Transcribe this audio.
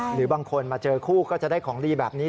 หรือบางคนมาเจอคู่ก็จะได้ของดีแบบนี้